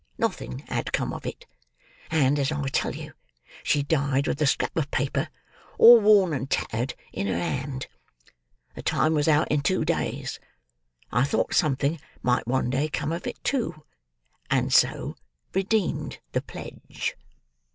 Nothing had come of it; and, as I tell you, she died with the scrap of paper, all worn and tattered, in her hand. The time was out in two days; I thought something might one day come of it too; and so redeemed the pledge."